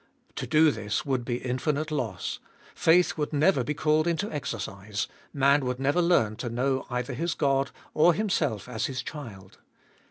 To do this would be infinite loss ; faith would never be called into • exercise ; man would never learn to know either his God or himself as His child.